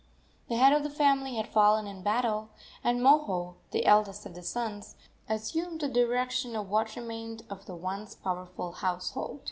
The head of the family had fallen in battle, and Moho, the eldest of the sons, assumed the direction of what remained of the once powerful household.